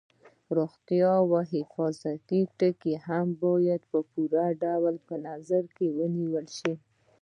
روغتیا او حفاظتي ټکي هم باید په پوره ډول په نظر کې ونیول شي.